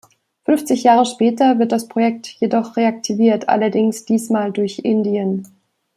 Fünfzig Jahre später wird das Projekt jedoch reaktiviert, allerdings diesmal durch Indien.